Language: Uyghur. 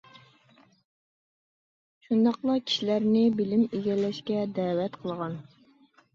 شۇنداقلا كىشىلەرنى بىلىم ئىگىلەشكە دەۋەت قىلغان.